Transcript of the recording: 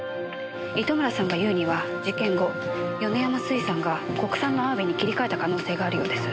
糸村さんが言うには事件後米山水産が国産のあわびに切り替えた可能性があるようです。